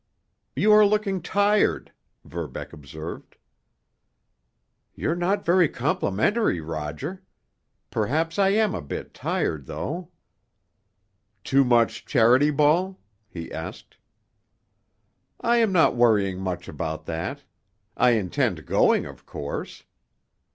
"You are looking tired," Verbeck observed. "You're not very complimentary, Roger. Perhaps I am a bit tired, though." "Too much Charity Ball?" he asked. "I am not worrying much about that. I intend going, of course."